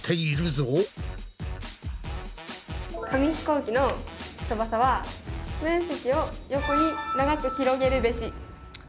紙ひこうきの翼は面積を横に長く広げるべし。